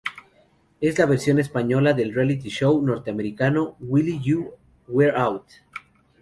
Es la versión española del "Reality Show" norteamericano "While You Were Out".